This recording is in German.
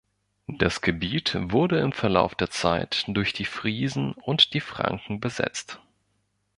Das Gebiet wurde im Verlauf der Zeit durch die Friesen und die Franken besetzt.